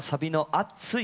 「熱い」。